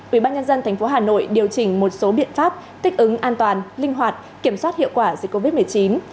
ubnd tp hà nội điều chỉnh một số biện pháp thích ứng an toàn linh hoạt kiểm soát hiệu quả dịch covid một mươi chín